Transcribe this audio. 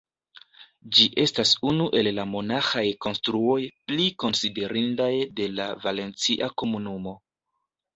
Ĝi estas unu el la monaĥaj konstruoj pli konsiderindaj de la Valencia Komunumo.